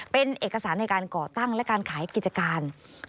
เป็นเอกสารในการก่อตั้งและการขายกิจการ